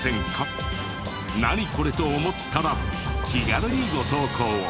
「ナニコレ？」と思ったら気軽にご投稿を。